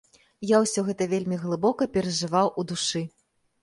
Я ўсё гэта вельмі глыбока перажываў у душы.